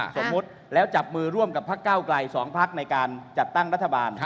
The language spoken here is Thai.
สมมุติแล้วจับมือร่วมกับพักเก้าไกล๒พักในการจัดตั้งรัฐบาล